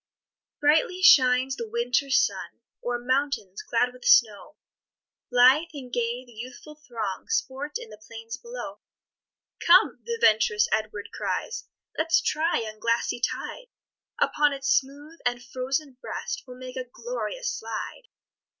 Brightly shines the winter's sun, O'er mountains clad with snow, Blithe and gay the youthful throng Sport in the plains below. "Come," the venturous Edward cries, "Let's try yon glassy tide; Upon its smooth and frozen breast We'll make a glorious slide."